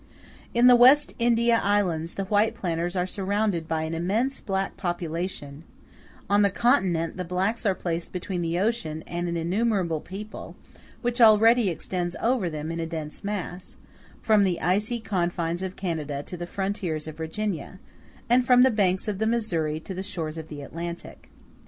In the West India Islands the white planters are surrounded by an immense black population; on the continent, the blacks are placed between the ocean and an innumerable people, which already extends over them in a dense mass, from the icy confines of Canada to the frontiers of Virginia, and from the banks of the Missouri to the shores of the Atlantic.